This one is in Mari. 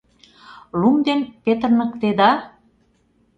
Лум ден петырныктеда?